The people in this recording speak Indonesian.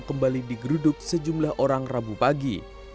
kembali digeruduk sejumlah orang rabu pagi